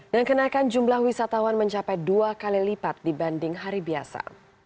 dan kenaikan jumlah wisatawan mencapai dua kali lipat dibanding hari biasa